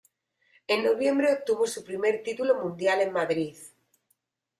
En noviembre obtuvo su primer título mundial en Madrid.